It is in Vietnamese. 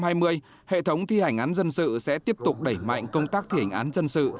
năm hai nghìn hai mươi hệ thống thi hành án dân sự sẽ tiếp tục đẩy mạnh công tác thi hành án dân sự